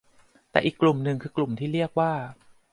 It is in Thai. แต่อีกลุ่มหนึ่งคือกลุ่มที่เรียกว่า